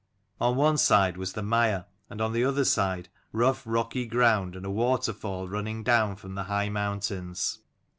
On one side was the mire, and on the other side rough rocky ground and a waterfall running down from the high moun tains.